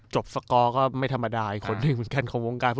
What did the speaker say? สกอร์ก็ไม่ธรรมดาอีกคนหนึ่งเหมือนกันของวงการ